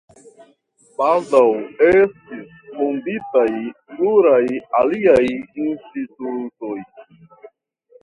Baldaŭ estis fonditaj pluraj aliaj institutoj.